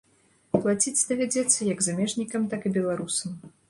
Плаціць давядзецца як замежнікам, так і беларусам.